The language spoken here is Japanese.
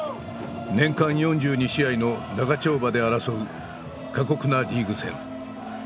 年間４２試合の長丁場で争う過酷なリーグ戦。